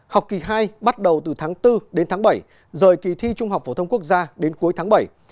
học kỳ hai bắt đầu từ tháng bốn đến tháng bảy rời kỳ thi trung học phổ thông quốc gia đến cuối tháng bảy